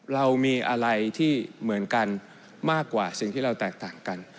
เรามีอะไรที่เหมือนกันมากกว่าสิ่งที่เราแตกต่างกัน